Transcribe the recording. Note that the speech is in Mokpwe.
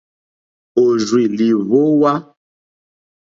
Òrzì lìhwówá.